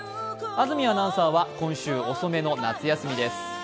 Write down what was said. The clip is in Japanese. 安住アナウンサーは今週、遅めの夏休みです。